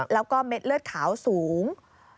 แล้วก็เม็ดเลือดขาวสูง